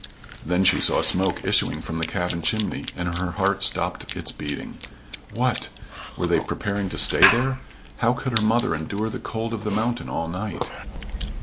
Then she saw smoke issuing from the cabin chimney, and her heart stopped its beating. What! Were they preparing to stay there? How could her mother endure the cold of the mountain all night?